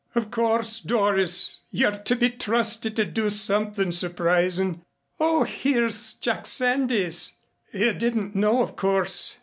"Of course, Doris, you're to be trusted to do something surprising. Oh, here's Jack Sandys you didn't know, of course."